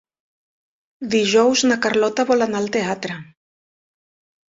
Dijous na Carlota vol anar al teatre.